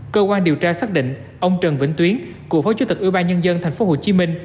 cơ quan điều tra xác định ông trần vĩnh tuyến cổ phó chủ tịch ủy ban nhân dân tp hcm